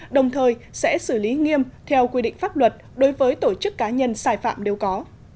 đồng thời sẽ xử lý nghiêm theo quy định pháp luật đối với tổ chức cá nhân sai phạm nếu có